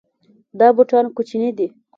دا بوټان کوچني دي